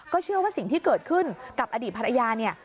เชื่อว่าสิ่งที่เกิดขึ้นกับอดีตภรรยาเนี่ย